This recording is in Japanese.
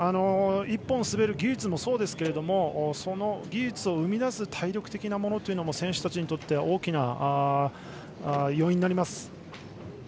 １本滑る技術もそうですがその技術を生み出す体力的なものも選手たちにとっては大きな要因になります。